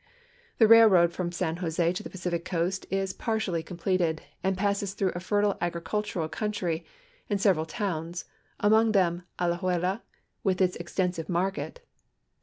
The railroad from San Jose to the Pacific coast is partially completed and passes through a fertile agricultural country and several towns, among them Alajuela, with its extensive market.